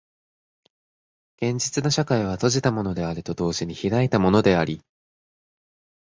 現実の社会は閉じたものであると同時に開いたものであり、